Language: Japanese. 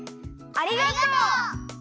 ありがとう！